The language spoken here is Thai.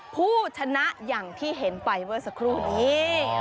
ผู้ชนะอย่างที่เห็นไปเมื่อสักครู่นี้